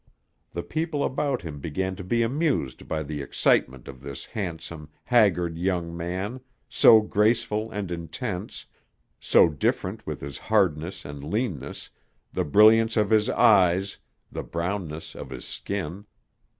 The people about him began to be amused by the excitement of this handsome, haggard young man, so graceful and intense, so different with his hardness and leanness, the brilliance of his eyes, the brownness of his skin.